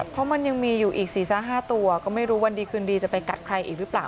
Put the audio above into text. เพราะมันยังมีอยู่อีก๔๕ตัวก็ไม่รู้วันดีคืนดีจะไปกัดใครอีกหรือเปล่า